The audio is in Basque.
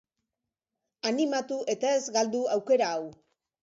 Animatu eta ez galdu aukera hau.